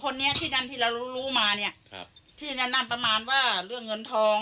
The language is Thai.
คนนี้ที่นั่นที่เรารู้รู้มาเนี้ยครับที่นั่นนั่นประมาณว่าเรื่องเงินทอง